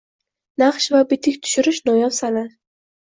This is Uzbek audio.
Naqsh va bitik tushirish – noyob san’at.